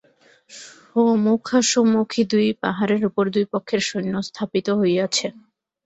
সমুখাসমুখি দুই পাহাড়ের উপর দুই পক্ষের সৈন্য স্থাপিত হইয়াছে।